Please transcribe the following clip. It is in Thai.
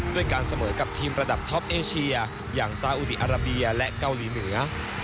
การเสมอกับทีมระดับท็อปเอเชียอย่างซาอุดีอาราเบียและเกาหลีเหนือ